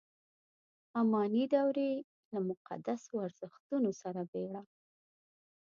اماني دورې له مقدسو ارزښتونو سره بېړه.